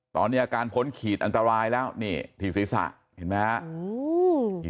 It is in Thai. ตอนนี้อาการพ้นขีดอันตรายแล้วนี่ที่ศีรษะเห็นไหมครับ